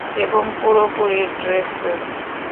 এবং পুরোপুরি ড্রেসে।